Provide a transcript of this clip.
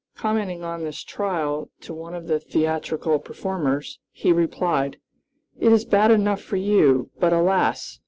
Commenting on this trial, to one of the theatrical performers, he replied: "It is bad enough for you, but alas!